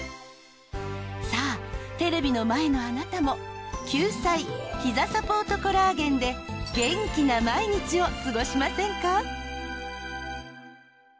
さあテレビの前のあなたもキューサイひざサポートコラーゲンで元気な毎日を過ごしませんか？